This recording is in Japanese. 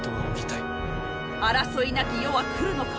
争いなき世は来るのか？